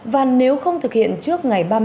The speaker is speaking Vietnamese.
và nếu không thực hiện trước ngày ba